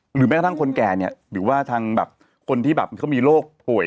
หรือแม้กระทั่งคนแก่เนี่ยหรือว่าทางแบบคนที่แบบเขามีโรคป่วย